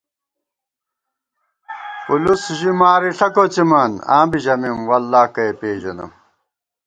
پُلُس ژِی مارِݪہ کوڅِمان آں بی ژَمېم، “واللہ کہ ئے پېژَنم”